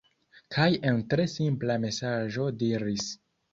kaj en tre simpla mesaĝo diris